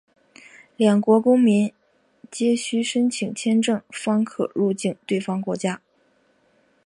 两国公民皆须申请签证方可入境对方国家。